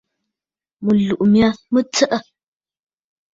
Mɨ̀tlùʼù mya mə tsəʼə̂.